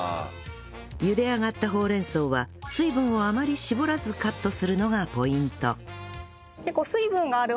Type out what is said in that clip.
茹で上がったほうれん草は水分をあまり絞らずカットするのがポイント